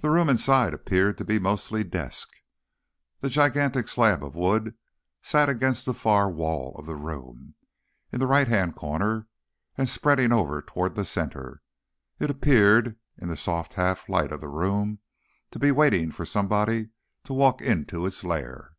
The room inside appeared to be mostly desk. The gigantic slab of wood sat against the far wall of the room, in the right hand corner and spreading over toward the center. It appeared, in the soft half light of the room, to be waiting for somebody to walk into its lair.